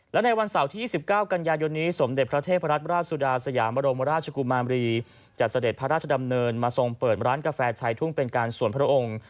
และในวันเสาร์ที่๒๙กันยายนนี้สมเด็จพระเทพรัตนราชสุดาสยามบรมราชกุมารีจะเสด็จพระราชดำเนินมาทรงเปิดร้านกาแฟชายทุ่งเป็นการสวนพระองค์